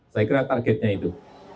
saya kira targetnya itu